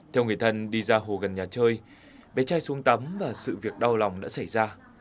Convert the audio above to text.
theo người thân đi ra hồ gần nhà chơi bé trai xuống tắm và sự việc đau lòng đã xảy ra